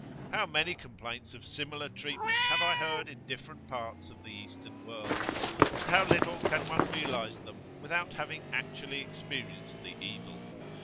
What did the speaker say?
How many complaints of similar treatment have I heard in different parts of the Eastern world! and how little can one realise them without having actually experienced the evil!